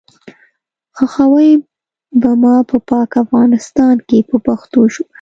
ښخوئ به ما په پاک افغانستان کې په پښتو ژبه.